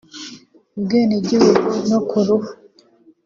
ubwenegihugu no ku ruhu